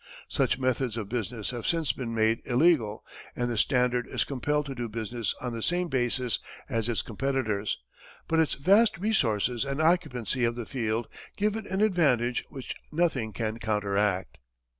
Such methods of business have since been made illegal, and the Standard is compelled to do business on the same basis as its competitors, but its vast resources and occupancy of the field give it an advantage which nothing can counteract.